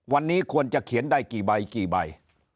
วันนี้ควรจะเขียนได้กี่ใบกี่ใบ